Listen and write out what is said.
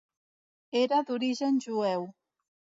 Era d'origen jueu.